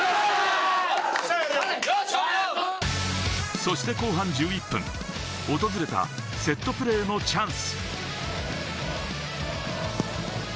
そして後半１１分、訪れたセットプレーのチャンス。